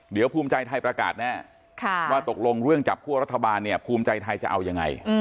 เดี๋ยวภูมิใจไทยประกาศแน่ว่าตกลงเรื่องจับคั่วรัฐบาลเนี่ยภูมิใจไทยจะเอายังไง